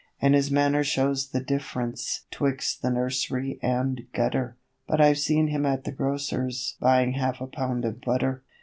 And his manner shows the dif'rence 'twixt the nurs'ry and gutter But I've seen him at the grocer's buying half a pound of butter.